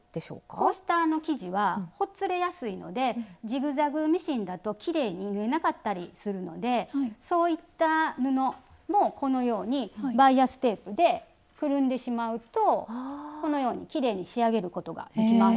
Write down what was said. こうした生地はほつれやすいのでジグザグミシンだときれいに縫えなかったりするのでそういった布もこのようにバイアステープでくるんでしまうとこのようにきれいに仕上げることができます。